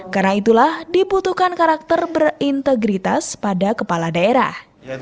karena itulah dibutuhkan karakter berintegritas pada kepala daerah